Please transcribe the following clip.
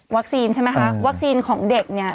ใช่ไหมคะวัคซีนของเด็กเนี่ย